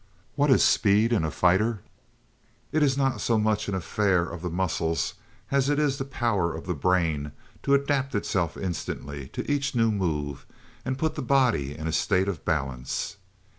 What is speed in a fighter? It is not so much an affair of the muscles as it is the power of the brain to adapt itself instantly to each new move and put the body in a state of balance.